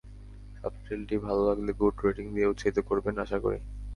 সাবটাইটেলটি ভালো লাগলে good rating দিয়ে উৎসাহিত করবেন আশাকরি।